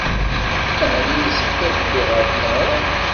Ɛni yessefk ad dduɣ ɣer tmeɣra?